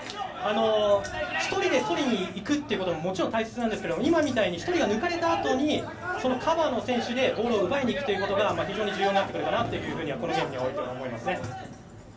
１人でとりにいくことも大切ですが今みたいに１人が抜かれたあとにそのカバーの選手でボールを奪いにいくことが非常に重要になってくるかなとこのゲームにおいては思います。